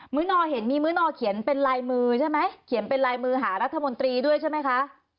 ื้อนอเห็นมีมื้อนอเขียนเป็นลายมือใช่ไหมเขียนเป็นลายมือหารัฐมนตรีด้วยใช่ไหมคะ